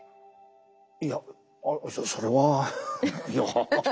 いやそれはいや。